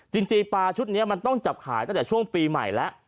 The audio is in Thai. จริงปลาชุดนี้มันต้องจับขายตั้งแต่ช่วงปีใหม่แล้ว